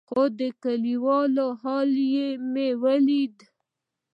خو د کليوالو حال چې مې وليد.